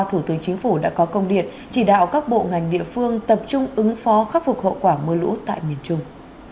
thủ tướng chính phủ đã có công điện chỉ đạo các bộ ngành địa phương tập trung ứng phó khắc phục hậu quả mưa lũ tại miền trung